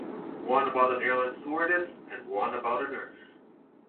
One about an airline stewardess, and one about a nurse.